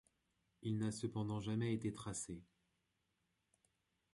Il n'a cependant jamais été tracé.